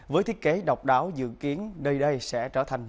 với thiết kế độc đáo dự kiến nơi đây sẽ trở thành